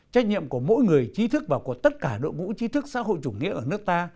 trách nhiệm của mỗi người trí thức và của tất cả đội ngũ trí thức xã hội chủ nghĩa ở nước ta